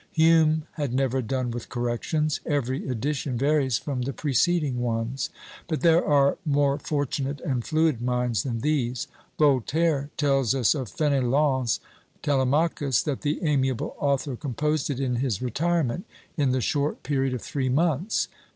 Hume had never done with corrections; every edition varies from the preceding ones. But there are more fortunate and fluid minds than these. Voltaire tells us of Fenelon's Telemachus, that the amiable author composed it in his retirement, in the short period of three months.